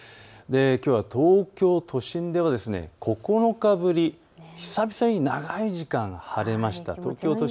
きょうは東京都心では９日ぶり、久々に長い時間、晴れました。